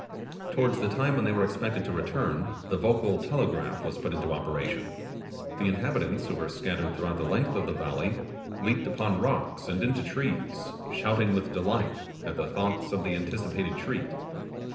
Towards the time when they were expected to return the vocal telegraph was put into operation the inhabitants, who were scattered throughout the length of the valley, leaped upon rocks and into trees, shouting with delight at the thoughts of the anticipated treat.